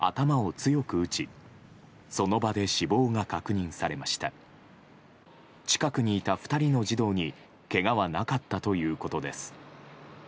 近くにいた２人の児童にけがはなかったということです。